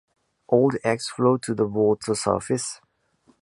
Old eggs float to the water surface.